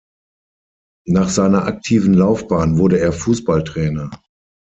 Nach seiner aktiven Laufbahn wurde er Fußballtrainer.